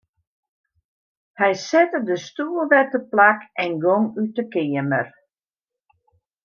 Hy sette de stoel wer teplak en gong út 'e keamer.